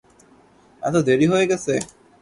এত দেরী হয়ে গেছে?